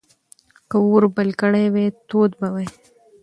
که اور بل کړی وای، تود به وای.